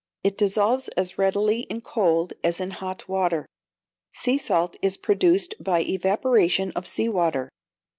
It dissolves as readily in cold as in hot water. Sea salt is produced by evaporation of sea water.